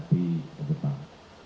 kalau witan ya